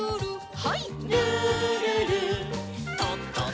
はい。